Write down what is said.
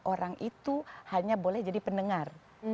orang itu hanya boleh jadi pendengar